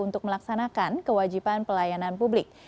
untuk melaksanakan kewajiban pelayanan publik